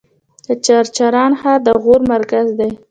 د چغچران ښار د غور مرکز دی